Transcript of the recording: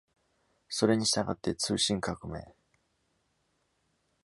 それにしたがって：「通信革命」。